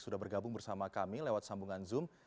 sudah bergabung bersama kami lewat sambungan zoom